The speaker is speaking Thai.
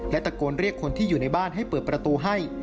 ตะโกนเรียกคนที่อยู่ในบ้านให้เปิดประตูให้